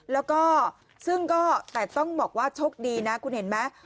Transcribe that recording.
แล้วก็ซึ่งก็แต่ต้องบอกว่าโชคดีนะคุณเห็นไหม